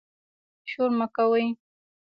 شور مه کوئ